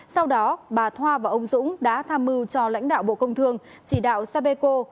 sau đó bà thoa và ông dũng đã tham mưu cho lãnh đạo bộ công thương chỉ đạo sapeco